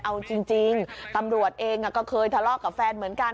เอาจริงตำรวจเองก็เคยทะเลาะกับแฟนเหมือนกัน